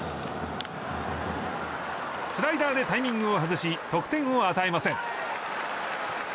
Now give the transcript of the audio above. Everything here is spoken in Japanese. スライダーでタイミングを外し得点を与えません。